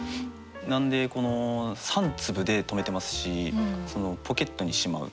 なんでこの「三粒」で止めてますしその「ポケットにしまう」。